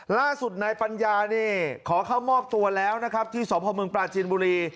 ล่าสุดนายปัญญานี่ขอเข้ามอบตัวแล้วนะครับที่สพมปลาจีนบุรี